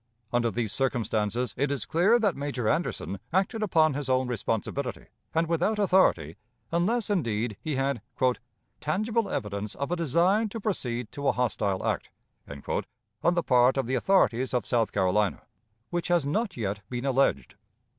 Under these circumstances it is clear that Major Anderson acted upon his own responsibility, and without authority, unless, indeed, he had "tangible evidence of a design to proceed to a hostile act" on the part of the authorities of South Carolina, which has not yet been alleged.